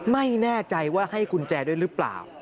ไม่แน่ใจว่าให้กุญแจด้วยหรือเปล่า